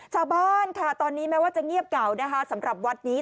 ชาวบ้านค่ะตอนนี้แม้ว่าจะเงียบเหงานะคะสำหรับวัดนี้